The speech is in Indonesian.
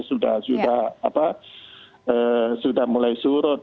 sudah mulai surut